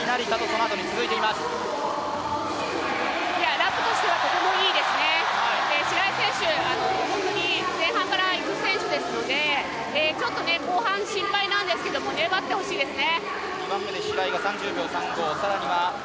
ラップとしては、とてもいいですね白井選手、前半から行く選手ですのでちょっと後半心配なんですけど粘ってほしいですね。